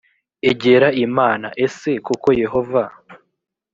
egera imana ese koko yehova